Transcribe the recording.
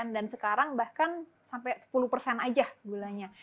dan sekarang bahkan sampai sepuluh aja gulanya